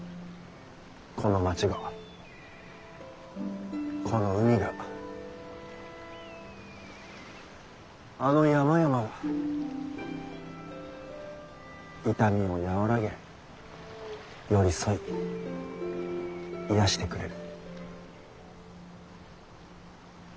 この町がこの海があの山々が痛みを和らげ寄り添い癒やしてくれる。